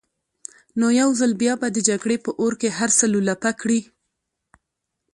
نو يو ځل بيا به د جګړې په اور کې هر څه لولپه کړي.